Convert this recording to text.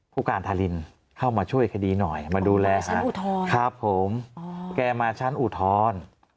ผู้การทารินเข้ามาช่วยคดีหน่อยมาดูแลครับผมแกมาชั้นอุทธรณ์